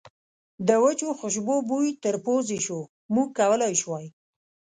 د وچو خوشبو بوی تر پوزې شو، موږ کولای شوای.